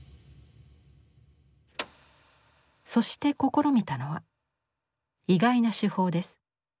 そして試みたのは意外な手法です。